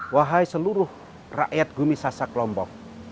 wahai seluruh rakyat bumi sasak lombok